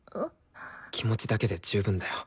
気持ちだけで十分だよ。